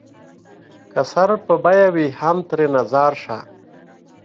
که سر په بيه وي هم ترېنه ځار شــــــــــــــــــه